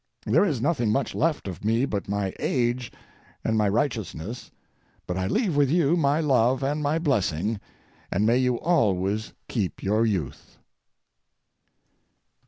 There is nothing much left of me but my age and my righteousness, but I leave with you my love and my blessing, and may you always keep your youth.